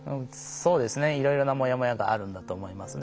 そうですねいろいろなもやもやがあるんだと思います。